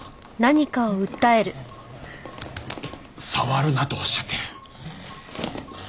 触るなとおっしゃってる。